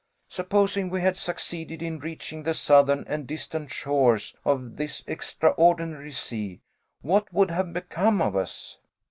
Supposing we had succeeded in reaching the southern and distant shores of this extraordinary sea, what would have become of us?